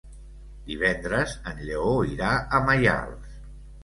Divendres en Lleó irà a Maials.